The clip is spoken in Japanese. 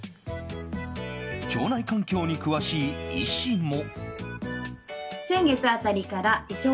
腸内環境に詳しい医師も。